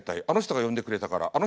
「あの人が呼んでくれたから」